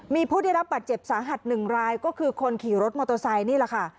มีผู้ได้รับบาดเจ็บสาหัสหนึ่งรายก็คือคนขี่รถมอเตอร์ไซค์นี่แหละค่ะ